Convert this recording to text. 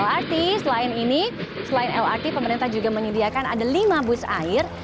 lrt selain ini selain lrt pemerintah juga menyediakan ada lima bus air